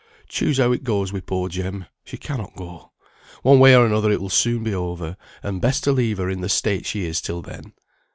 Choose how it goes wi' poor Jem, she cannot go. One way or another it will soon be over, and best to leave her in the state she is till then."